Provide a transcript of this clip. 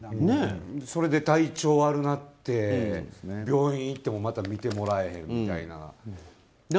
それで体調が悪なって病院行ってもまた診てもらえへんみたいな。